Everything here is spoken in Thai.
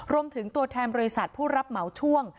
รวมถึงตัวแทนบริษัทผู้รับเหมาช่วง